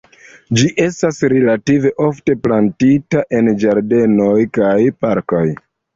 Ĝi estas relative ofte plantita en ĝardenoj kaj parkoj.